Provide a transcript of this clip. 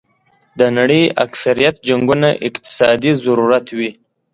د نړۍ اکثریت جنګونه اقتصادي ضرورت وي.